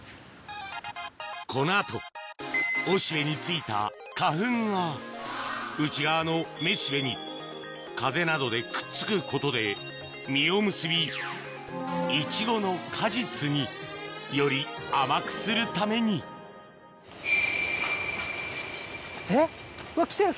この後おしべに付いた花粉が内側のめしべに風などでくっつくことで実を結びイチゴの果実により甘くするためにえっうわ。